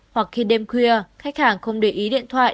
hoặc khi đêm khuya khách hàng không để ý điện thoại